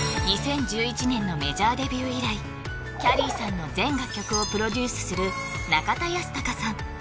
２０１１年のメジャーデビュー以来きゃりーさんの全楽曲をプロデュースする中田ヤスタカさん